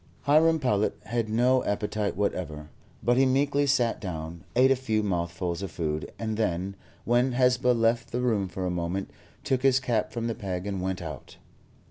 Hiram Powlett had no appetite whatever, but he meekly sat down, ate a few mouthfuls of food, and then, when Hesba left the room for a moment, took his cap from the peg and went out.